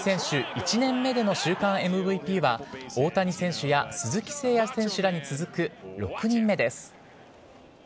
１年目での週間ＭＶＰは、大谷選手や鈴木誠也選手らに続く６人目です。